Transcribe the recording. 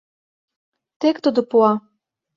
Тек тудо пуа.